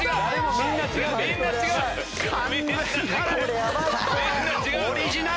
みんな違うよ。